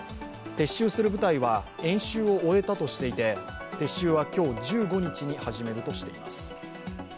撤収する部隊は演習を終えたとしていて撤収は今日１５日に始めるとしています。